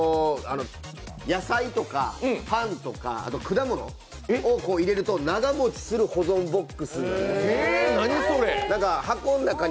野菜とかパンとか果物を入れると長もちする保存ボックスなんです。